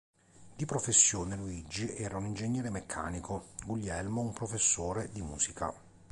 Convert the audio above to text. Di professione Luigi era un ingegnere meccanico, Guglielmo un professore di musica.